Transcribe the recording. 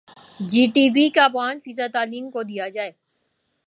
جی D P کا پانچ فیصد تعلیم کو دیا جائے